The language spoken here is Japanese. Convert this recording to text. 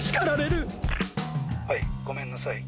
はいごめんなさい。